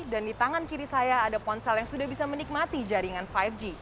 dan di tangan kiri saya ada ponsel yang sudah bisa menikmati jaringan lima g